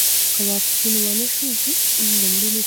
که واکسین ونه شي، د مړینې چانس زیاتېږي.